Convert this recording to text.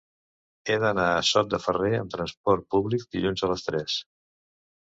He d'anar a Sot de Ferrer amb transport públic dilluns a les tres.